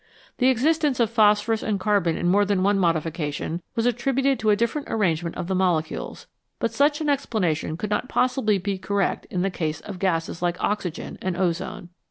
The existence of phosphorus and carbon in more than one modification was attributed to a different arrangement of the molecules, but such an ex planation could not possibly be correct in the case of 58 ELEMENTS WITH DOUBLE IDENTITY gases like oxygen and ozone.